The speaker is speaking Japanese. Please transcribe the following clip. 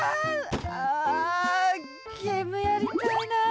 あゲームやりたいな。